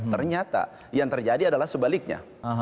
ternyata yang terjadi adalah sebaliknya